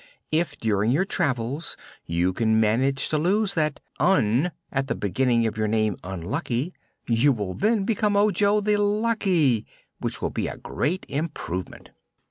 If, during your travels, you can manage to lose that 'Un' at the beginning of your name 'Unlucky,' you will then become Ojo the Lucky, which will be a great improvement."